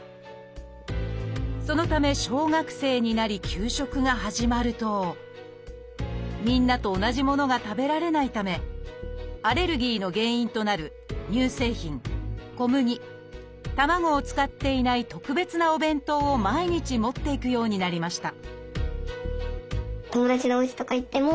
そのため小学生になり給食が始まるとみんなと同じものが食べられないためアレルギーの原因となる乳製品小麦卵を使っていない特別なお弁当を毎日持っていくようになりました